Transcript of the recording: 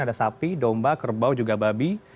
ada sapi domba kerbau juga babi